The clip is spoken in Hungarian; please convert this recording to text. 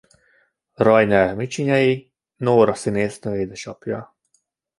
Rainer-Micsinyei Nóra színésznő édesapja.